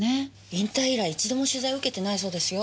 引退以来一度も取材受けてないそうですよ。